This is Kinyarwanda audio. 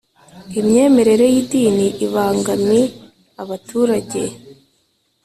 Imyemerere y’ idini ibangami abaturage.